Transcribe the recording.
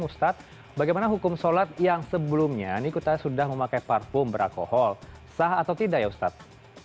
ustadz bagaimana hukum sholat yang sebelumnya ini kita sudah memakai parfum beralkohol sah atau tidak ya ustadz